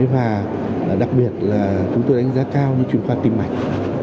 và đặc biệt là chúng tôi đánh giá cao như chuyên khoa tim mạch